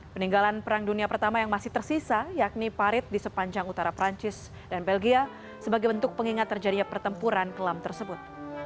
peninggalan perang dunia pertama yang masih tersisa yakni parit di sepanjang utara perancis dan belgia sebagai bentuk pengingat terjadinya pertempuran kelam tersebut